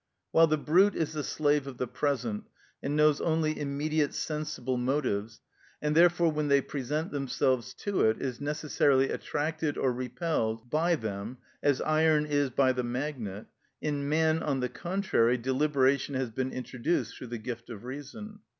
While the brute is the slave of the present, and knows only immediate sensible motives, and therefore when they present themselves to it is necessarily attracted or repelled by them, as iron is by the magnet, in man, on the contrary, deliberation has been introduced through the gift of reason.